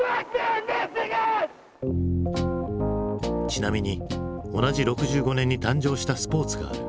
ちなみに同じ６５年に誕生したスポーツがある。